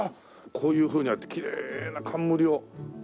こういうふうにやってきれいな冠を。